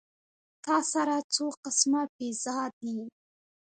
تا سره څو قسمه پېزار دي